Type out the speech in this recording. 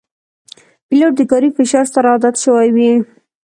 پیلوټ د کاري فشار سره عادت شوی وي.